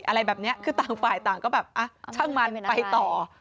อะไรแบบนี้คือต่างฝ่ายต่างก็แบบช่างมันไปต่อ